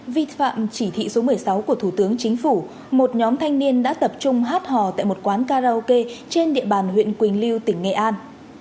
vi phạm chỉ thị số một mươi sáu của thủ tướng chính phủ một nhóm thanh niên đã tập trung hát hò tại một quán karaoke trên địa bàn huyện quỳnh lưu tỉnh nghệ an